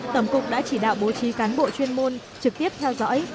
tổng cục đã chỉ đạo bố trí cán bộ chuyên môn trực tiếp theo dõi